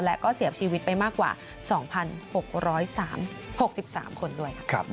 และก็เสียชีวิตไปมากกว่า๒๖๖๓คนด้วยค่ะ